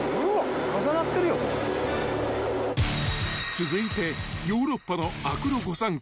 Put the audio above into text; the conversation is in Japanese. ［続いてヨーロッパのアクロ御三家］